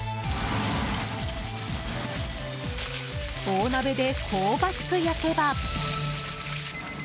大鍋で香ばしく焼けば。